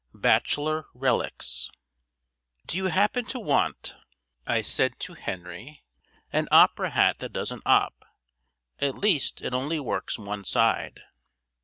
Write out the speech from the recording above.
XXXIX. BACHELOR RELICS "Do you happen to want," I said to Henry, "an opera hat that doesn't op? At least it only works one side."